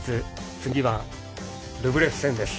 次はルブレフ戦です。